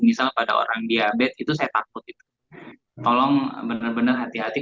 misal pada orang diabetes itu saya takut itu tolong benar benar hati hati